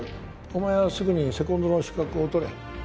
お前はすぐにセコンドの資格を取れ。